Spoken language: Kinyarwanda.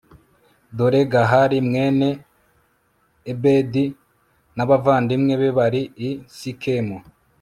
dore gahali mwene ebedi n'abavandimwe be bari i sikemu